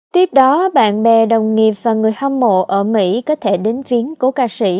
tiếp đó bạn bè đồng nghiệp và người hâm mộ ở mỹ có thể đến chuyến cố ca sĩ